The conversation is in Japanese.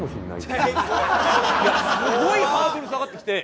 すごいハードル下がってきて。